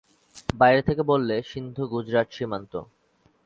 বাইরে থেকে বললে সিন্ধু-গুজরাট সীমান্ত।